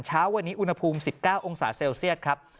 เช้าวันนี้อุณหภูมิ๑๙องศาเซลเซียตครับ